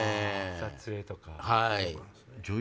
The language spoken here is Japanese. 撮影とか。